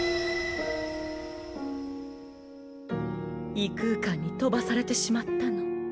異空間に飛ばされてしまったの。